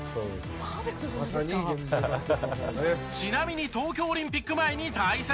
ちなみに東京オリンピック前に対戦。